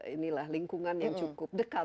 inilah lingkungan yang cukup dekat